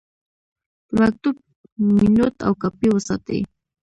د مکتوب مینوټ او کاپي وساتئ.